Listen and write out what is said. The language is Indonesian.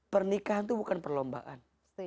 pernikahan itu bukan perlombaan